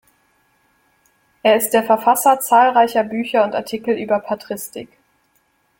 Er ist der Verfasser zahlreicher Bücher und Artikel über Patristik.